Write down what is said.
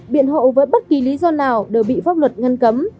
biện hộ với bất kỳ lý do nào đều bị pháp luật ngăn cấm